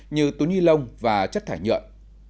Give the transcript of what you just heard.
như túi ni lông và chất thải nhuận